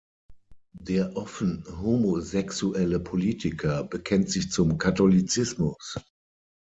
Der offen homosexuelle Politiker bekennt sich zum Katholizismus.